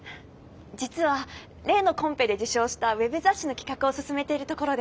実は例のコンペで受賞したウェブ雑誌の企画を進めているところで。